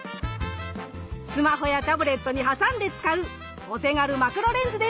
スマホやタブレットに挟んで使うお手軽マクロレンズです。